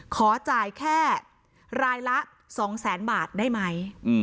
ขอจ่ายแค่รายละ๒แสนบาทได้ไหม